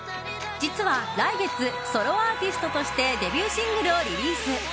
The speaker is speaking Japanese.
実は、来月ソロアーティストとしてデビューシングルをリリース。